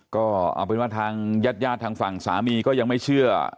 ก็เอาเป็นว่าทางญาติทางฝั่งสามีก็ยังไม่เชื่อ